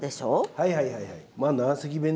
はいはいはいはい。